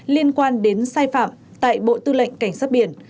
liên quan đến sai phạm tại bộ tư lệnh cảnh sát biển